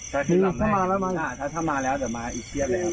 ถ้าที่ลำไม่เห็นถ้ามาแล้วแต่มาอีกเทียบแล้วมีอีกเทียบ